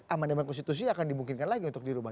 aman aman konstitusi akan dimungkinkan lagi untuk dirubah